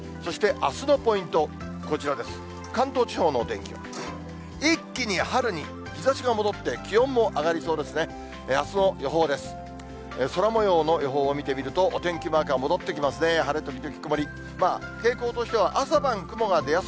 あすの予報です。